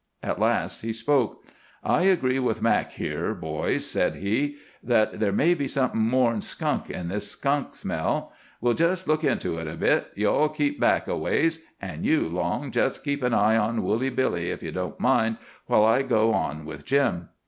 At last he spoke. "I agree with Mac here, boys," said he, "that there may be somethin' more'n skunk in this skunk smell. We'll jest look into it a bit. You all keep back a ways—an' you, Long, jest keep an eye on Woolly Billy ef ye don't mind, while I go on with Jim."